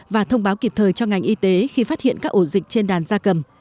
và thông báo kịp thời cho ngành y tế khi phát hiện các ổ dịch trên đàn da cầm